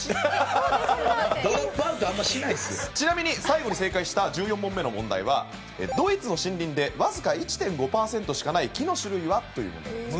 ちなみに最後に正解した１４問目の問題は「ドイツの森林でわずか１．５パーセントしかない木の種類は？」という問題なんです。